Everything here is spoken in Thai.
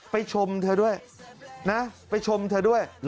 ไปชมเธอด้วย